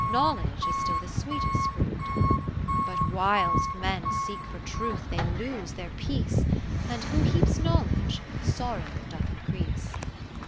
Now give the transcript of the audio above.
Knowledge is still the sweetest fruit. 40 But whilst men seek for Truth they lose their peace ; And who heaps knowledge, sorrow doth increase.